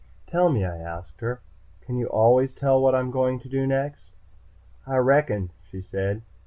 "Tell me," I asked her. "Can you always tell what I'm going to do next?" "I reckon," she said.